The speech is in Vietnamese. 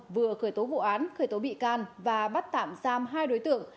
vừa khởi tố vụ án khởi tố bị can và bắt tạm giam hai đối tượng